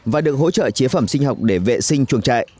và được hỗ trợ chế phẩm sinh học để vệ sinh chuồng trại